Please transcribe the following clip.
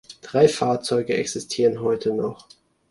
Drei Fahrzeuge existieren heute noch.